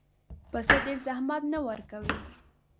پسه ډېر زحمت نه ورکوي.